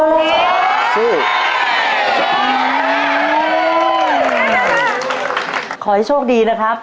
ขอให้โชคดีนะครับ